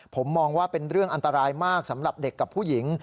ผมมองว่าเป็นเรื่องอันตรายมากสำหรับเด็กกับผู้หญิง